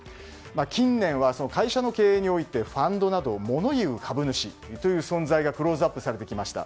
近年は会社の経営においてファンドなど物言う株主という存在がクローズアップされてきました。